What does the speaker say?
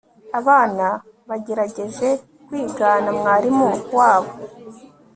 abana bagerageje kwigana mwarimu wabo